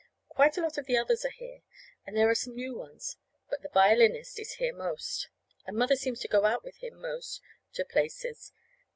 Quite a lot of the others are here, and there are some new ones. But the violinist is here most, and Mother seems to go out with him most to places.